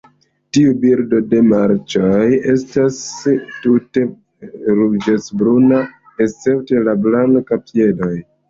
Tiu birdo de marĉoj estas tute ruĝecbruna, escepte la blankaj piedoj.